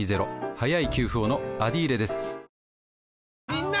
みんな！